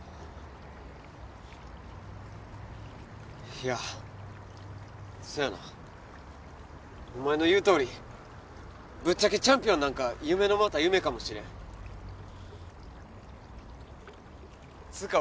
いやそやなお前の言うとおりぶっちゃけチャンピオンなんか夢のまた夢かもしれんつーか